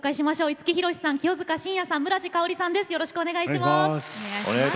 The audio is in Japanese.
五木ひろしさん、清塚信也さん村治佳織さんです。